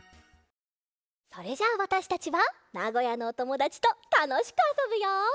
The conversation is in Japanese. それじゃあわたしたちはなごやのおともだちとたのしくあそぶよ！